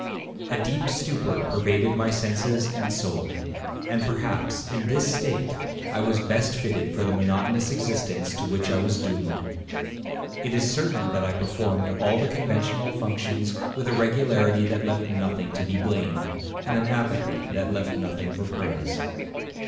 A deep stupor pervaded my senses and soul; and perhaps, in this state, I was best fitted for the monotonous existence to which I was doomed. It is certain that I performed all the conventual functions with a regularity that left nothing to be blamed, and an apathy that left nothing for praise.